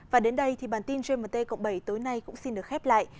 và đến đây thì bản tin gmt cộng bảy tối nay cũng xin được khép lại